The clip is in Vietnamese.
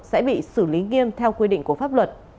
sẽ bị xử lý nghiêm theo quy định của pháp luật